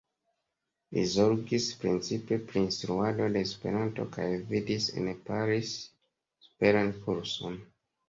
Li zorgis precipe pri instruado de Esperanto kaj gvidis en Paris superan kurson.